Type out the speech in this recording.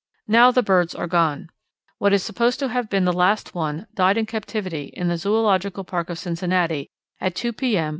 Now the birds are gone. What is supposed to have been the last one died in captivity in the Zoological Park of Cincinnati at 2 P. M.